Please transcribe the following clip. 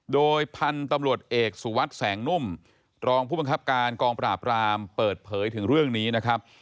โดยพันธุ์ตำรวจเอกสุวัสดิ์แสงนุ่มรองผู้บังคับการกองปราบรามเปิดเผยถึงเรื่องนี้นะครับ